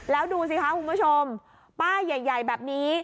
แล้วดูสิคะคุณผู้ชมป้ายใหญ่แบบนี้